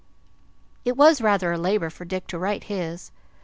It was rather a labor for Dick to write his.